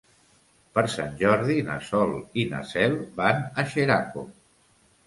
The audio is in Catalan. Per Sant Jordi na Sol i na Cel van a Xeraco.